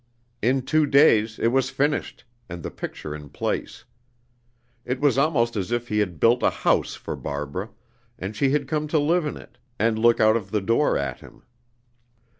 In two days it was finished, and the picture in place. It was almost as if he had built a house for Barbara, and she had come to live in it, and look out of the door at him.